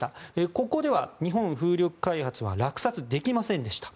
ここでは日本風力開発は落札できませんでした。